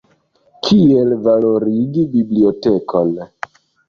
Kiel valorigi bibliotekon.